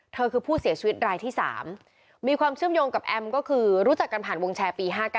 เธอคือผู้เสียชีวิตรายที่๓มีความเชื่อมโยงกับแอมก็คือรู้จักกันผ่านวงแชร์ปี๕๙